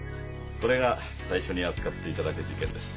これが最初に扱っていただく事件です。